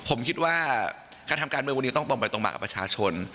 ผมคิดว่าการทำการเมืองวันนี้ต้องตรงไปตรงมากับประชาชน